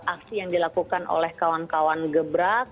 aksi yang dilakukan oleh kawan kawan gebrak